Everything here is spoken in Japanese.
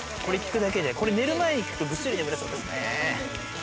寝る前に聞くと、ぐっすり眠れそうですね。